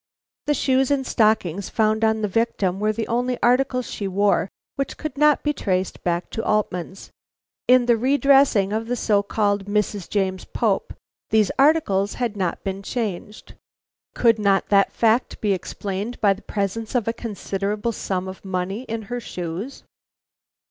The shoes and stockings found on the victim were the only articles she wore which could not be traced back to Altman's. In the re dressing of the so called Mrs. James Pope, these articles had not been changed. Could not that fact be explained by the presence of a considerable sum of money in her shoes?